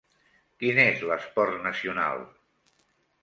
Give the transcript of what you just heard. Quin és l'esport nacional?